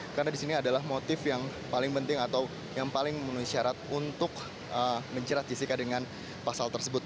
karena disini adalah motif yang paling penting atau yang paling menunjukkan syarat untuk mencerah jessica dengan pasal tersebut